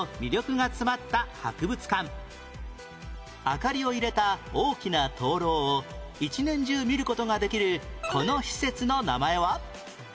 明かりを入れた大きな灯籠を１年中見る事ができるこの施設の名前は？